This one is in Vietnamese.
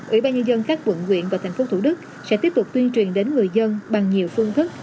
ủy ban nhân dân các vận quyện và thành phố thủ đức sẽ tiếp tục tuyên truyền đến người dân bằng nhiều phương thức